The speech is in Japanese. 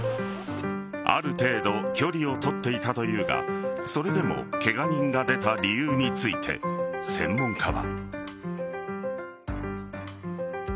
ある程度距離を取っていたというがそれでもケガ人が出た理由について専門家は。